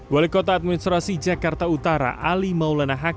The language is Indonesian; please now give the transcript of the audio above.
wali kota administrasi jakarta utara ali maulana hak